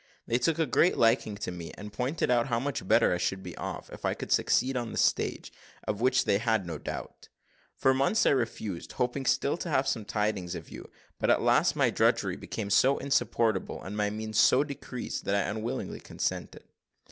They took a great liking to me, and pointed out how much better I should be off, if I could succeed on the stage, of which they had no doubt. For months I refused, hoping still to have some tidings of you; but at last my drudgery became so insupportable, and my means so decreased, that I unwillingly consented.